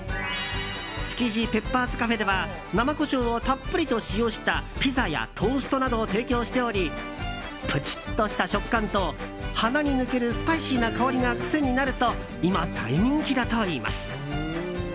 築地ペッパーズカフェでは生コショウをたっぷりと使用したピザやトーストなどを提供しておりプチッとした食感と鼻に抜けるスパイシーな香りが癖になると今、大人気だという。